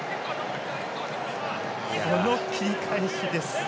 この切り返しです。